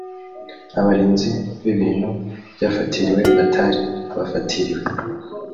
abarinzi b ibintu byafatiriwe batari abafatiriwe